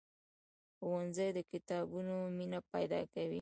ښوونځی د کتابونو مینه پیدا کوي